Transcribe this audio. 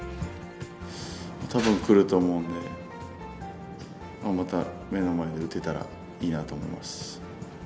たぶん来ると思うんで、また目の前で打てたらいいなと思います。